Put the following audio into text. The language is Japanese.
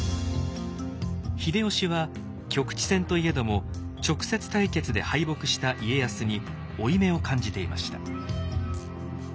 秀吉は局地戦といえども直接対決で敗北した家康に負い目を感じていました。